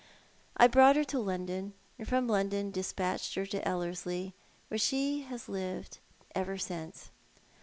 I brought her to London, and from London despatched her to EUerslie, where she has lived ever since.